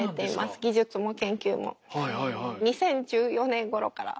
２０１４年ごろから。